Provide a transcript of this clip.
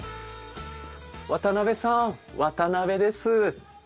渡辺さん渡部です。